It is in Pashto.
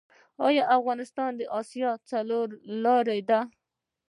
آیا افغانستان د اسیا څلور لارې ده؟